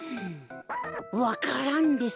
わか蘭です。